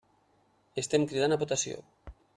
Estem cridant a votació.